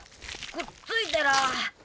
くっついてらあ。